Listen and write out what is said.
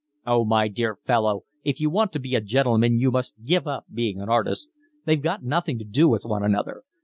"Oh, my dear fellow, if you want to be a gentleman you must give up being an artist. They've got nothing to do with one another.